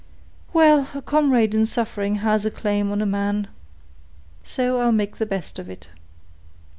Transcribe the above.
Well, a comrade in suffering has a claim on a man,—so I'll make the best of it."